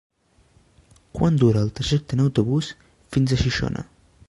Quant dura el trajecte en autobús fins a Xixona?